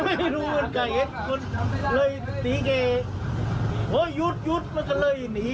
ผมก็นึกว่าเหล็กแต่ปลอดภัยช่วงนี้